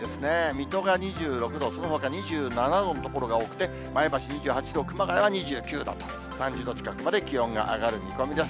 水戸が２６度、そのほか２７度の所が多くて、前橋２８度、熊谷は２９度と、３０度近くまで気温が上がる見込みです。